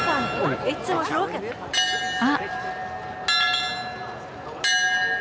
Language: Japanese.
あっ！